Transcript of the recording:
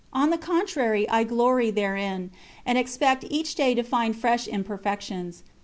On the contrary I glory therein, and expect each day to find fresh imperfections.